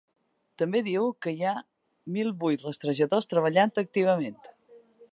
També diu que hi ha mil vuit rastrejadors treballant activament.